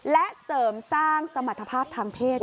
และเสริมสร้างสมรรถภาพทางเพศ